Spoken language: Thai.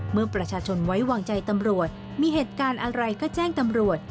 เมื่อประชาชนไว้วางใจตำรวจมีเหตุการณ์อะไรก็แจ้งตำรวจ